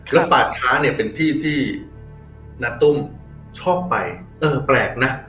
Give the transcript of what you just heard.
แล้วป่าช้าเนี่ยเป็นที่ที่ณตุ้มชอบไปเออแปลกนะ